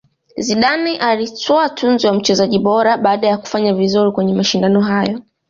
zidane alitwaa tuzo ya mchezaji bora baada ya kufanya vizuri kwenye mashindano hayo